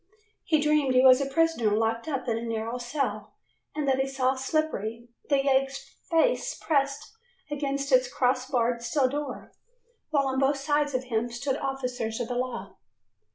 He dreamed he was a prisoner locked up in a narrow cell, and that he saw Slippery, the yegg's face pressed against its cross barred steel door, while on both sides of him stood officers of the law.